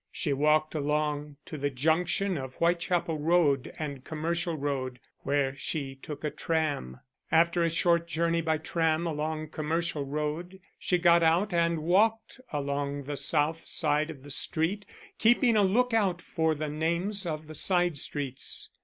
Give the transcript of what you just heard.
She walked along to the junction of Whitechapel Road and Commercial Road, where she took a tram. After a short journey by tram along Commercial Road she got out and walked along the south side of the street, keeping a look out for the names of the side streets.